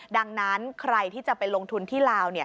ดังนั้นใครที่จะไปลงทุนที่ลาว